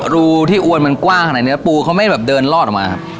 รูที่อวนมันกว้างขนาดนี้ปูเขาไม่แบบเดินลอดออกมาครับ